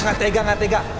gak tega gak tega